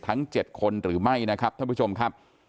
ทั้ง๗คนหรือไม่นะครับท่านผู้ชมครับ